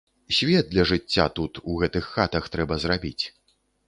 Свет для жыцця тут, у гэтых хатах трэба зрабіць.